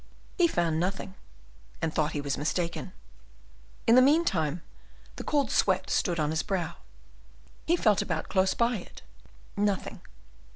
He found nothing, and thought he was mistaken. In the meanwhile, the cold sweat stood on his brow. He felt about close by it, nothing.